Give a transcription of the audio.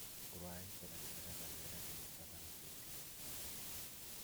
Wray fue la encargada de dar a conocer la noticia.